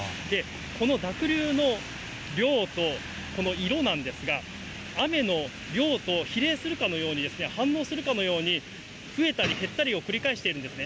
この濁流の量とこの色なんですが、雨の量と比例するかのように、反応するかのように、増えたり減ったりを繰り返しているんですね。